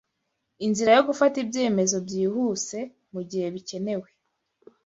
inzira yo gufata ibyemezo byihuse mugihe bikenewe